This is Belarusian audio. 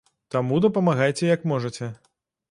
Таму дапамагайце як можаце.